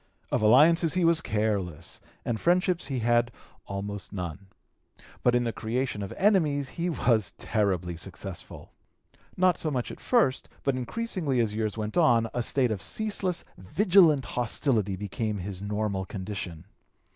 Of alliances he was careless, and friendships he had almost none. But in the creation of enmities he was terribly successful. Not so much at first, but increasingly as years went on, a state of ceaseless, vigilant hostility became his normal condition.